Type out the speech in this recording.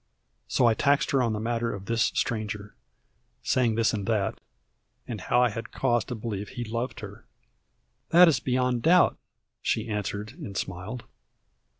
So I taxed her on the matter of this Stranger, saying this and that, and how I had cause to believe he loved her. "That is beyond doubt," she answered, and smiled.